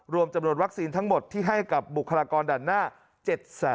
รวมจำนวนวัคซีนทั้งหมดที่ให้กับบุคลากรด่านหน้า